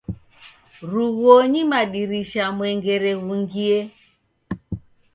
Rughuonyi madirisha mwengere ghungie.